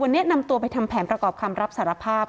วันนี้นำตัวไปทำแผนประกอบคำรับสารภาพ